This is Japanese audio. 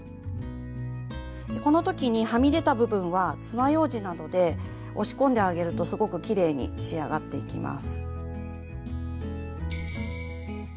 この時にはみ出た部分はつまようじなどで押し込んであげるとすごくきれいに仕上がっていきます。